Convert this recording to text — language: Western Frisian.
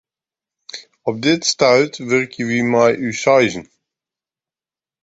Op dit stuit wurkje wy mei ús seizen.